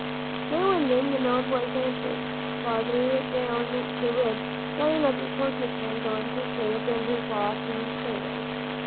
Now and then the note was answered, farther down the ridge, by another porcupine going to sleep in his lofty cradle.